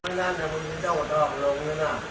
วันนี้รถรักรถ